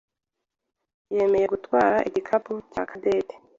yemeye gutwara igikapu cya Cadette.